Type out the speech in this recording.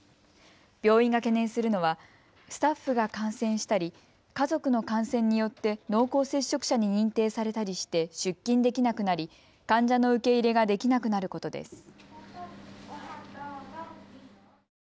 病院が懸念するのはスタッフが感染したり家族の感染によって濃厚接触者に認定されたりして出勤できなくなり患者の受け入れができなくなることです。